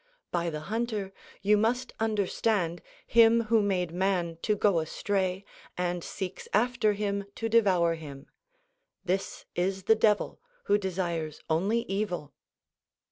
By the hunter you must understand him who made man to go astray and seeks after him to devour him. This is the Devil, who desires only evil.